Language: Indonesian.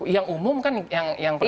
yang umum kan yang pertama tadi